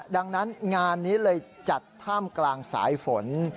ดังนั้นงานนี้เลยจัดท่ามกลางสายฝน